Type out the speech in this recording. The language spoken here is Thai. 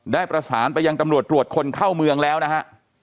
ได้ประสานไปยังตำรวจตรวจคนเข้าเมืองแล้วนะฮะ